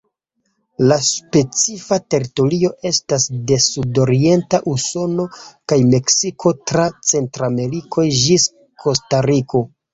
La specifa teritorio estas de sudorienta Usono kaj Meksiko tra Centrameriko ĝis Kostariko.